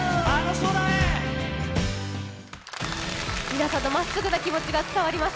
皆さんのまっすぐな気持ちが伝わります。